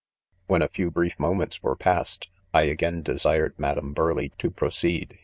"When a few brief moments" were passed^ I again desired Madame Burleigh to proceed.